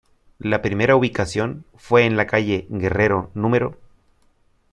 La primera ubicación fue en la calle Guerrero No.